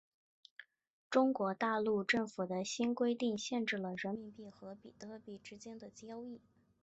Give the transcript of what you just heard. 中国大陆政府的新规定限制了人民币和比特币之间的交易。